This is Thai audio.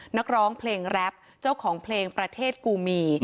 นักร้องเพลงแรปเจ้าของเพลงประเทศกูมี